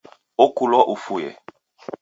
Okulwa ufue